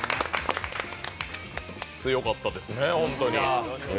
強かったですね、ホントに。